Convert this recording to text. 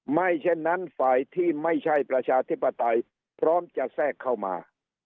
ไม่เช่นนั้นฝ่ายที่ไม่ใช่ประชาธิปไตยพร้อมจะแทรกเข้ามา